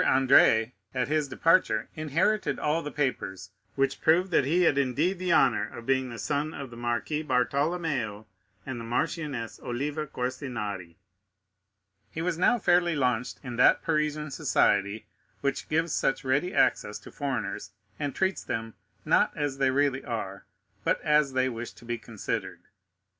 Andrea at his departure inherited all the papers which proved that he had indeed the honor of being the son of the Marquis Bartolomeo and the Marchioness Oliva Corsinari. He was now fairly launched in that Parisian society which gives such ready access to foreigners, and treats them, not as they really are, but as they wish to be considered.